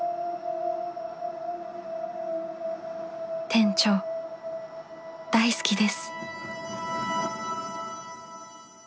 店長大好きです